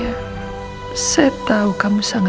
alasan perbuatan saya